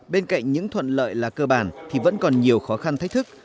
bên cạnh những thuận lợi là cơ bản thì vẫn còn nhiều khó khăn thách thức